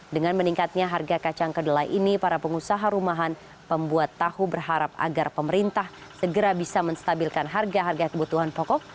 dengan meningkatnya harga kacang kedelai ini para pengusaha rumahan pembuat tahu berharap agar pemerintah segera bisa menstabilkan harga harga kebutuhan pokok